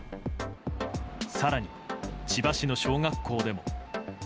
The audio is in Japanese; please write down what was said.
更に千葉市の小学校でも。